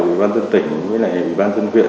ubnz tỉnh với lại ubnz huyện